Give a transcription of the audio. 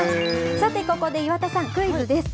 さてここで岩田さん、クイズです。